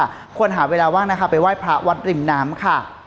ควรหาเวลาว่างนะคะไปไหว้พระวัดริมน้ำค่ะ